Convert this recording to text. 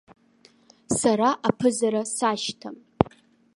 Сара аԥызара сашьҭам.